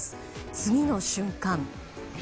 次の瞬間。